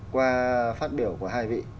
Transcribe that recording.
qua phát biểu của hai vị